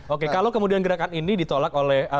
oke kalau kemudian gerakan ini ditolak oleh